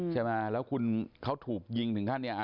ใช่ไหมแล้วคุณเขาถูกยิงถึงขั้นเนี่ย